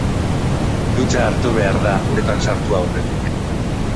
Dutxa hartu behar da uretan sartu aurretik.